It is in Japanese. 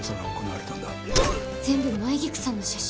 全部舞菊さんの写真。